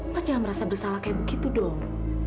mas jangan merasa bersalah kayak begitu dong